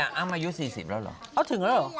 อ้ำมาอยู่๔๐แล้วหรือ